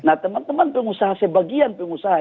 nah teman teman pengusaha sebagian pengusaha